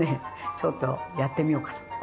ちょっとやってみようかと。